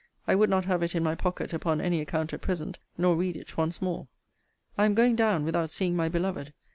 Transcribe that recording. I would not have it in my pocket upon any account at present; nor read it once more. I am going down without seeing my beloved.